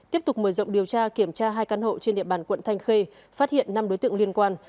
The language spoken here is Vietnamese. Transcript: tiếp tục mở rộng điều tra kiểm tra hai căn hộ trên địa bàn quận thanh khê phát hiện năm đối tượng liên quan